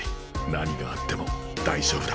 何があっても大丈夫だ。